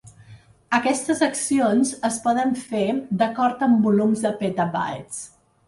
Aquestes accions es poden fer d'acord amb volums de petabytes.